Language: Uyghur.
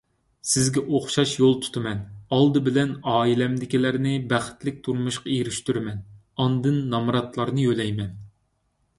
سىزگە ئوخشاش يول تۇتىمەن، ئالدى بىلەن ئائىلەمدىكىلەرنى بەختلىك تۇرمۇشقا ئېرىشتۈرىمەن، ئاندىن نامراتلارنى يۆلەيمەن.